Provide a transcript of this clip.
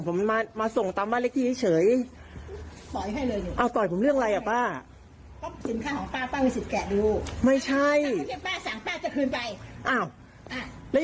ป้าไม่มั่นใจสินค้าป้าก็ยกเลิกครับ